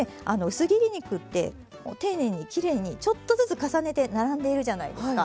薄切り肉って丁寧にきれいにちょっとずつ重ねて並んでいるじゃないですか。